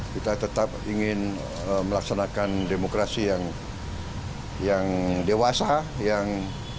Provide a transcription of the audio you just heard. kita tetap ingin melaksanakan demokrasi yang dewasa yang